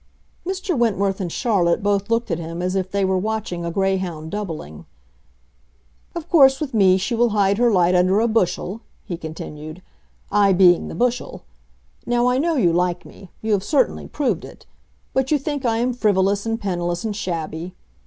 Mr. Wentworth and Charlotte both looked at him as if they were watching a greyhound doubling. "Of course with me she will hide her light under a bushel," he continued; "I being the bushel! Now I know you like me—you have certainly proved it. But you think I am frivolous and penniless and shabby!